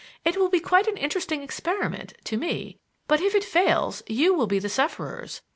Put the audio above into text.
It will be quite an interesting experiment to me; but if it fails, you will be the sufferers.